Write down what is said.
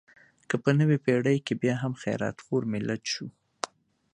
که په نوې پېړۍ کې بیا هم خیرات خور ملت شو.